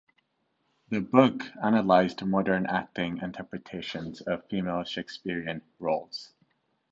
The book analysed modern acting interpretations of female Shakespearean roles.